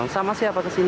sama siapa ke sini